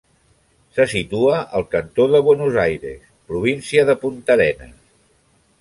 Se situa al cantó de Buenos Aires, província de Puntarenas.